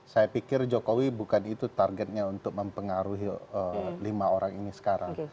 saya pikir jokowi bukan itu targetnya untuk mempengaruhi lima orang ini sekarang